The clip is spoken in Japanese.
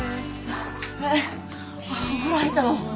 えっお風呂入ったの？